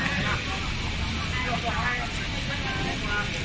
พรุ่งที่สะพานแย่กว้างก็มีได้มากกว่า